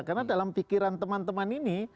karena dalam pikiran teman teman ini